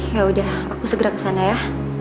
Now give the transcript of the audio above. ya udah aku segera ke sana ya